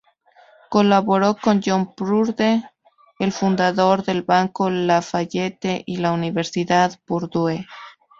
Colaboró con John Purdue, el fundador del Banco Lafayette y la Universidad Purdue.